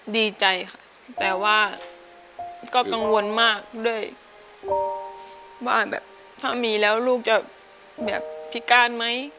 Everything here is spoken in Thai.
ดีใจค่ะแต่ว่าก็กังวลมากด้วยว่าแบบถ้ามีแล้วลูกจะแบบพิการไหม